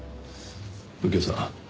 右京さん